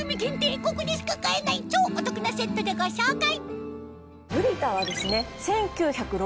ここでしか買えない超お得なセットでご紹介！